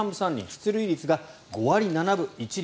出塁率が５割７分１厘。